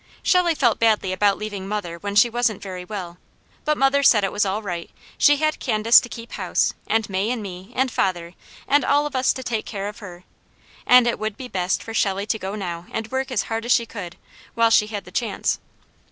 Shelley felt badly about leaving mother when she wasn't very well; but mother said it was all right, she had Candace to keep house and May and me, and father, and all of us to take care of her, and it would be best for Shelley to go now and work hard as she could, while she had the chance.